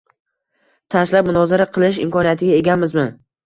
tashlab munozara qilish imkoniyatiga egamizmi?